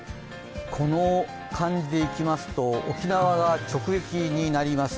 この感じでいきますと沖縄が直撃になります。